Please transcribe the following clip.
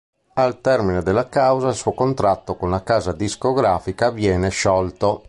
Al termine della causa il suo contratto con la casa discografica viene sciolto.